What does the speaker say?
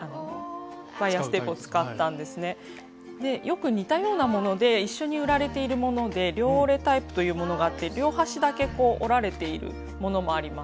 よく似たようなもので一緒に売られているもので両折れタイプというものがあって両端だけ折られているものもあります。